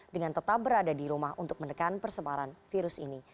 dengan tetap berada di rumah untuk menekan persebaran virus ini